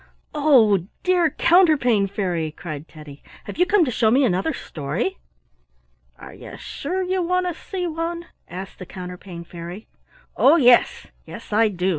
"Oh, dear Counterpane Fairy!" cried Teddy, "have you come to show me another story?" "Are you sure you want to see one?" asked the Counterpane Fairy. "Oh, yes, yes, I do!"